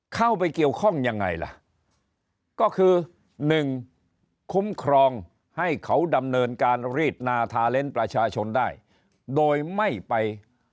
เข้าไปเกี่ยวข้องยังไงล่ะก็คือ๑คุ้มครองให้เขาดำเนินการรีดนาทาเล้นประชาชนได้โดยไม่ไป